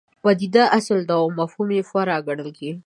پدیده اصل ده او مفهوم یې فرع ګڼل کېږي.